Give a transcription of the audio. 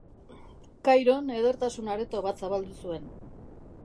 Kairon edertasun-areto bat zabaldu zuen.